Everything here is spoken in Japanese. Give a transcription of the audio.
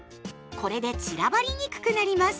これで散らばりにくくなります。